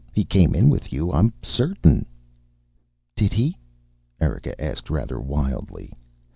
He came in with you, I'm certain." "Did he?" Erika asked, rather wildly.